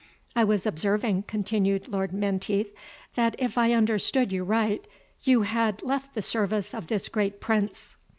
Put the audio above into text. "I was observing," continued Lord Menteith, "that, if I understood you right, you had left the service of this great Prince."